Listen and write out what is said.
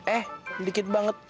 eh dikit banget